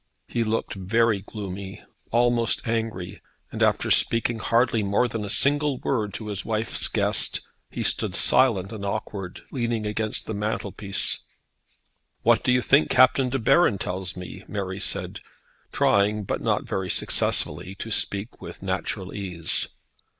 He looked very gloomy, almost angry, and after speaking hardly more than a single word to his wife's guest, he stood silent and awkward, leaning against the mantel piece. "What do you think Captain De Baron tells me?" Mary said, trying, but not very successfully, to speak with natural ease.